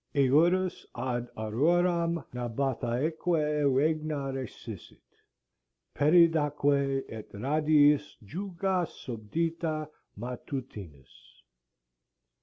— "Eurus ad Auroram Nabathæaque regna recessit, Persidaque, et radiis juga subdita matutinis."